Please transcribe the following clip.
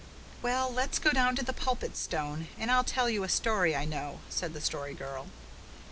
"Well, let's go down to the Pulpit Stone and I'll tell you a story I know," said the Story Girl.